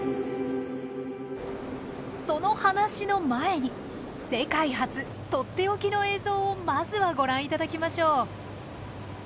その話の前に世界初取って置きの映像をまずはご覧いただきましょう。